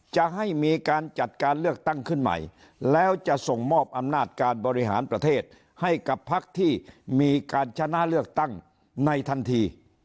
จะให้มีการจัดการเลือกตั้งขึ้นใหม่แล้วจะส่งมอบอำนาจการบริหารประเทศให้กับพักที่มีการชนะเลือกตั้งในทันที